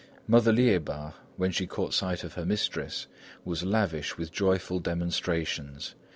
Mother Liébard, when she caught sight of her mistress, was lavish with joyful demonstrations.